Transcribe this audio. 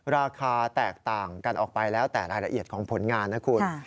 ราคาแตกต่างกันออกไปแล้วแต่รายละเอียดของผลงานนะคุณ